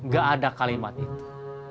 gak ada kalimat itu